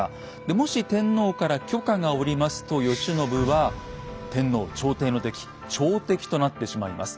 もし天皇から許可が下りますと慶喜は天皇朝廷の敵「朝敵」となってしまいます。